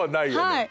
はい。